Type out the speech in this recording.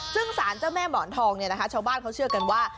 ซึ่งสารเจ้าแม่หมอนทองเนี่ยนะคะชาวบ้านเขาเชื่อกันว่า